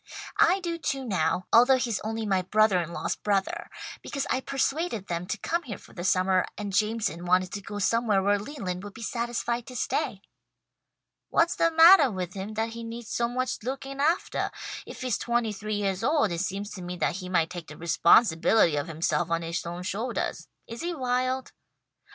I do too, now, although he's only my brother in law's brother, because I persuaded them to come here for the summer, and Jameson wanted to go somewhere where Leland would be satisfied to stay." "What's the mattah with him, that he needs so much looking aftah? If he's twenty three yeahs old it seems to me that he might take the responsibility of himself on his own shouldahs. Is he wild?"